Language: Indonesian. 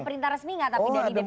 ada perintah resmi gak tapi dari dpp